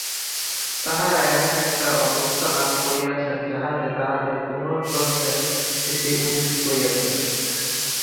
তাঁহারা এমন এক অবস্থা লাভ করিয়াছেন, যাহাতে তাঁহাদের পূর্বজন্মের স্মৃতি উদিত হইয়াছে।